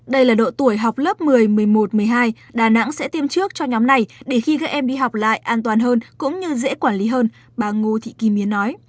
đây là độ tuổi học lớp một mươi một mươi một một mươi hai đà nẵng sẽ tiêm trước cho nhóm này để khi các em đi học lại an toàn hơn cũng như dễ quản lý hơn bà ngô thị kim yến nói